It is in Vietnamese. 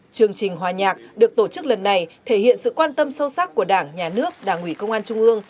chương trình hòa nhạc được tổ chức lần này thể hiện sự quan tâm sâu sắc của đảng nhà nước đảng ủy công an trung ương